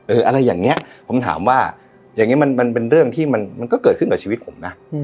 อืมเอออะไรอย่างเงี้ยผมถามว่าอย่างเงี้ยมันมันเป็นเรื่องที่มันมันก็เกิดขึ้นกับชีวิตผมน่ะ